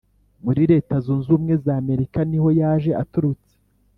muri leta zunze ubumwe z’amerika niho yaje aturutse,